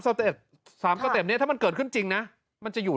เต็ป๓สเต็ปนี้ถ้ามันเกิดขึ้นจริงนะมันจะอยู่